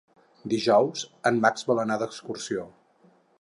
Dijous en Max vol anar d'excursió.